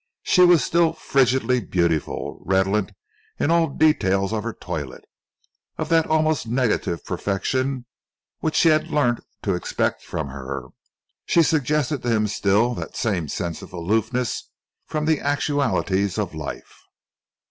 She was still frigidly beautiful, redolent, in all the details of her toilette, of that almost negative perfection which he had learnt to expect from her. She suggested to him still that same sense of aloofness from the actualities of life.